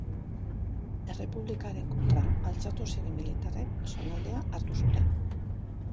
Errepublikaren kontra altxatu ziren militarrek zonaldea hartu zuten.